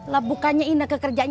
lah bukannya ineke kerjanya siang